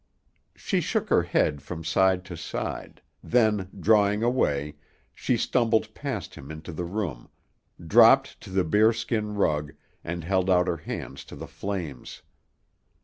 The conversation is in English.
She shook her head from side to side, then, drawing away, she stumbled past him into the room, dropped to the bearskin rug, and held out her hands to the flames.